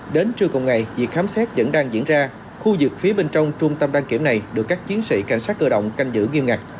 đến trưa cùng ngày việc khám xét vẫn đang diễn ra khu vực phía bên trong trung tâm đăng kiểm này được các chiến sĩ cảnh sát cơ động canh giữ nghiêm ngặt